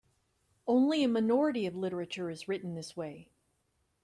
Only a minority of literature is written this way.